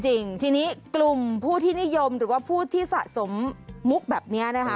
จริงทีนี้กลุ่มผู้ที่นิยมหรือว่าผู้ที่สะสมมุกแบบนี้นะคะ